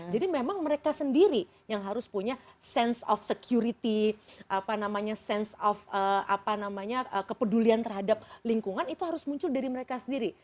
jadi memang mereka sendiri yang harus punya sense of security apa namanya sense of kepedulian terhadap lingkungan itu harus muncul dari mereka sendiri